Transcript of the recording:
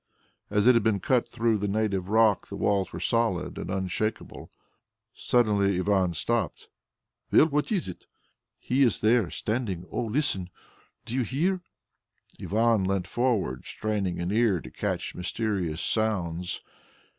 As it had been cut through the native rock, the walls were solid and unshakable. Suddenly Ivan stopped. "Well, what is it?" "He is there.... Standing. Oh, listen! Do you hear?" Ivan leant forward, straining his ear to catch mysterious sounds.